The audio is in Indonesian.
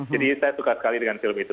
jadi saya suka sekali dengan film itu